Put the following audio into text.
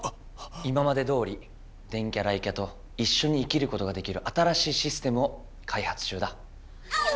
今までどおり電キャ雷キャといっしょに生きることができる新しいシステムをかいはつ中だ。